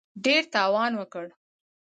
ډېر تاوان وکړ.